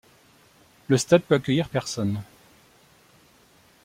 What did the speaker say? Le stade peut accueillir personnes.